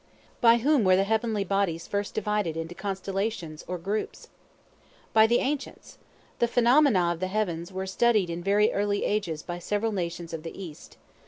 By whom were the heavenly bodies first divided into Constellations or groups? By the ancients. The phenomena of the heavens were studied in very early ages by several nations of the East.